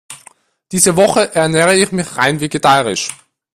Diese Woche ernähre ich mich rein vegetarisch.